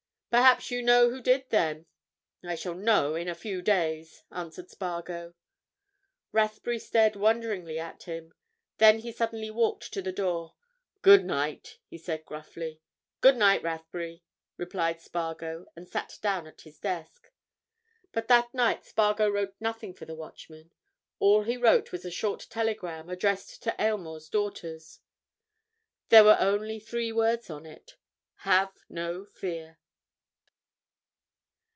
"Perhaps you know who did, then?" "I shall know in a few days," answered Spargo. Rathbury stared wonderingly at him. Then he suddenly walked to the door. "Good night!" he said gruffly. "Good night, Rathbury," replied Spargo and sat down at his desk. But that night Spargo wrote nothing for the Watchman. All he wrote was a short telegram addressed to Aylmore's daughters. There were only three words on it—_Have no fear.